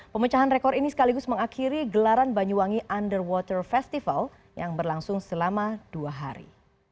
pemecahan rekor ini sekaligus mengakhiri gelaran banyuwangi underwater festival yang berlangsung selama dua hari